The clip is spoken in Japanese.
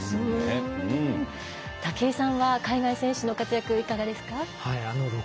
武井さんは海外選手の活躍、いかがですか？